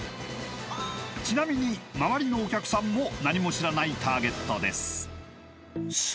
ちなみに周りのお客さんも何も知らないターゲットです・